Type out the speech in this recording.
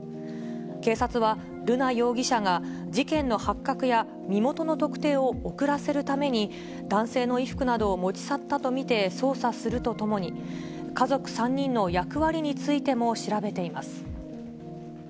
警察は、瑠奈容疑者が事件の発覚や身元の特定を遅らせるために、男性の衣服などを持ち去ったと見て、捜査するとともに、家族３人の役割についても調べています。